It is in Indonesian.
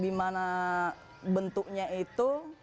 dimana bentuknya itu